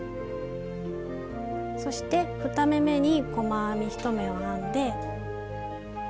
そして２目めに細編み１目を編んで。